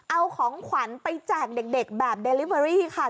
เอาของขวัญไปแจกเด็กแบบเดลิเวอรี่ค่ะ